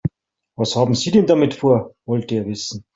Was haben Sie denn damit vor?, wollte er wissen.